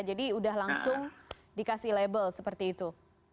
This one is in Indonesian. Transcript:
jadi udah langsung dikasih label seperti itu